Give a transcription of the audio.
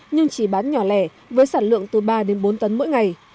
nhưng chỉ bán nhỏ lẻ với sản lượng từ ba đến bốn tấn mỗi ngày